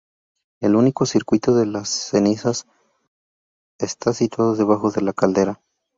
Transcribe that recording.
El último circuito, el de las cenizas, está situado debajo de la caldera.